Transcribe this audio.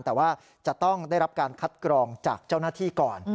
แต่ว่าจะต้องได้รับการคัดกรองจากเจ้าหน้าที่ก่อน